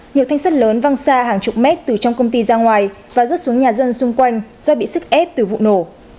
nhiều thanh sắt lớn văng xa hàng chục mét từ trong công ty ra ngoài và rớt xuống nhà dân xung quanh do bị sức ép từ vụ nổ